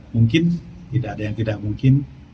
mungkin tidak ada yang tidak mungkin